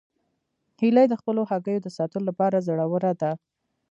هیلۍ د خپلو هګیو د ساتلو لپاره زړوره ده